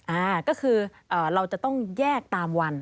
อ่าก็คือเราจะต้องแยกตามวัน